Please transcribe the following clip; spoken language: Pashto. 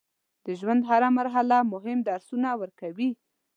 د ژوند هره مرحله مهم درسونه ورکوي.